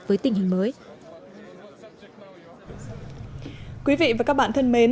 với các thành viên mới quý vị và các bạn thân mến